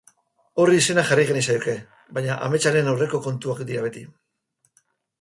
Horri izena jarri geniezaioke, baina ametsaren aurreko kontuak dira beti.